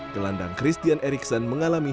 gelandang christian eriksen mengalami